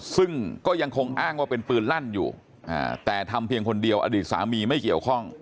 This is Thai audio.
ซึ่งก็ยังคงอ้างว่าเป็นปืนลั่นอยู่แต่ทำเพียงคนเดียวอดีตสามีไม่เกี่ยวข้อง